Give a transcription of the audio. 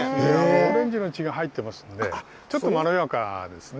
オレンジの血が入ってますんで、ちょっとまろやかですね。